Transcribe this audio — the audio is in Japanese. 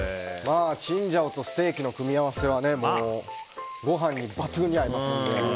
チンジャオとステーキの組み合わせはご飯に抜群に合いますので。